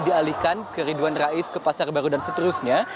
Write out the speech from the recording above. dialihkan ke ridwan rais ke pasar baru dan seterusnya